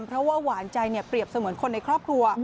เพราะว่าหวานใจเนี่ยเปรียบเสมือนคนในครอบครัว